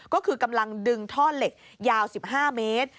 ก็คือกำลังดึงท่อเหล็กยาว๑๕เมตร